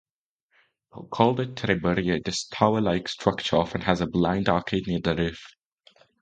Called a "tiburio", this tower-like structure often has a blind arcade near the roof.